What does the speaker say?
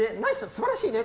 素晴らしいね！